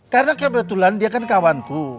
karena kebetulan dia kan kawanku